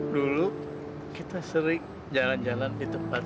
dulu kita sering jalan jalan di tempat